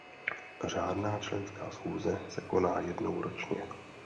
Řádná členská schůze se koná jednou ročně.